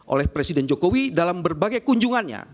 oleh presiden jokowi dalam berbagai kunjungannya